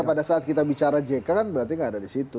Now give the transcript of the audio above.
pada saat kita bicara jk kan berarti nggak ada di situ